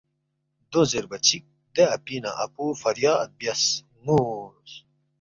“ دو زیربا چِک دے اپی نہ اپو فریاد بیاس نُ٘وس